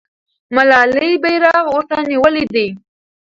ملالۍ بیرغ ورته نیولی دی.